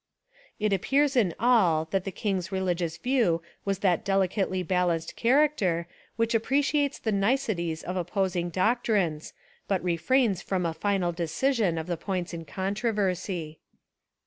It appears in all that the king's religious view was that delicately balanced character which appreciates the niceties of opposing doc trines but refrains from a final decision of the points in controversy.